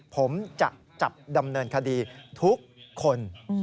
ผมจะจับดำเนินคดีทุกคน